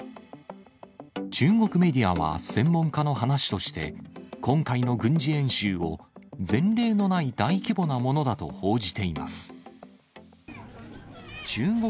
中国メディアは専門家の話として、今回の軍事演習を前例のない大規模なものだと報じています。